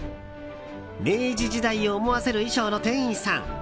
明治時代を思わせる衣装の店員さん。